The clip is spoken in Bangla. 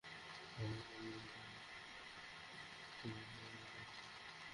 আনিকা মাহিন, যাঁকে একা নামেই চেনে সবাই, এবার লিখলেন মর্ষকাম নামের একটি নাটক।